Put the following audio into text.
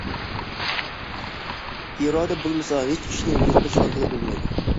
« ئىرادە بولمىسا، ھېچ ئىشنى ۋۇجۇدقا چىقارغىلى بولمايدۇ».